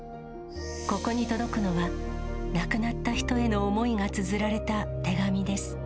ここに届くのは、亡くなった人への思いがつづられた手紙です。